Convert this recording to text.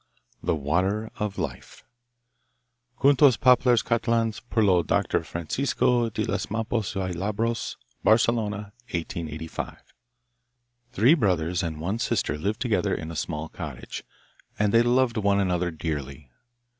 The Water of Life Cuentos Populars Catalans, per lo Dr. D. Francisco de S. Maspous y Labros. Barcelona, 1885. Three brothers and one sister lived together in a small cottage, and they loved one another dearly.